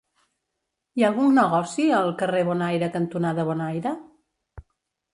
Hi ha algun negoci al carrer Bonaire cantonada Bonaire?